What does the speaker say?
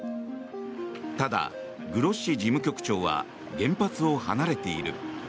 ただ、グロッシ事務局長は原発を離れている。